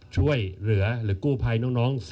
ช่วยเหลือหรือกู้ภัยน้อง